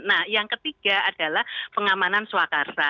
nah yang ketiga adalah pengamanan swakarsa